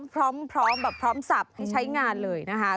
พร้อมแบบพร้อมสับให้ใช้งานเลยนะคะ